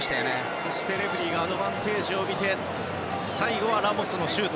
そしてレフェリーがアドバンテージをみて最後はラモスのシュート。